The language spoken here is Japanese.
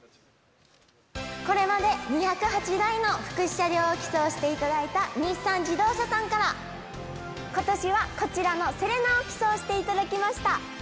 これまで２０８台の福祉車両を寄贈していただいた日産自動車さんから、ことしはこちらのセレナを寄贈していただきました。